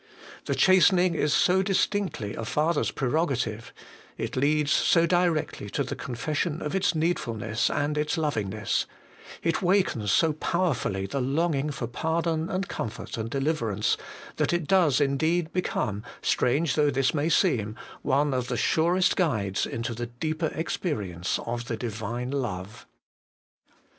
The chastening is so distinctly a father's prerogative ; it leads so directly to the confession of its needful ness and its lovingness ; it wakens so powerfully the longing for pardon and comfort and deliver ance, that it does indeed become, strange though this may seem, one of the surest guides into the deeper experience of the Divine Love.